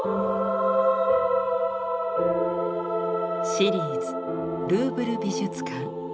「シリーズルーブル美術館」。